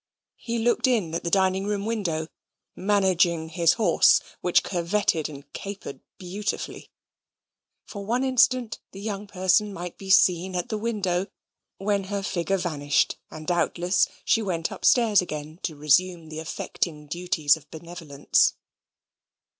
He looked in at the dining room window, managing his horse, which curvetted and capered beautifully for one instant the young person might be seen at the window, when her figure vanished, and, doubtless, she went upstairs again to resume the affecting duties of benevolence.